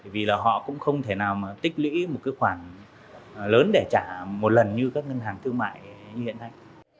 vì là họ cũng không thể nào mà tích lũy một cái khoản lớn để trả một lần như các ngân hàng thương mại như hiện nay